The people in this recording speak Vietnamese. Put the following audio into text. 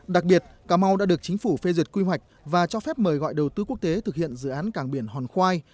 đặc biệt cà mau đã được chính phủ phê duyệt quy hoạch và cho phép mời gọi đầu tư quốc tế thực hiện dự án cảng biển hòn khoai